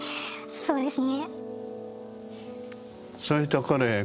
そうですね。